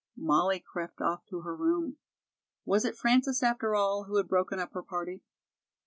Molly crept off to her room. Was it Frances, after all, who had broken up her party?